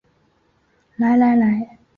来来来